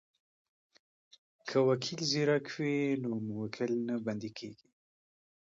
که وکیل زیرک وي نو موکل نه بندی کیږي.